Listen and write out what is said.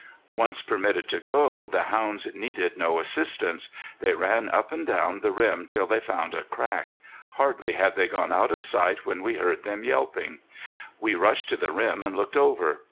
Once permitted to go, the hounds needed no assistance. They ran up and down the rim till they found a crack. Hardly had they gone out of sight when we heard them yelping. We rushed to the rim and looked over.